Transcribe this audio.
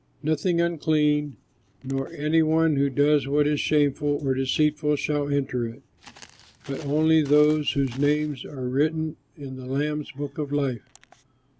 Nothing unclean nor any one who does what is shameful or deceitful shall enter it, but only those whose names are written in the Lamb's book of life.